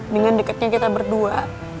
dengan deketnya kita berdua